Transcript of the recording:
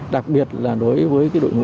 đặc biệt là đối với cái đội ngũ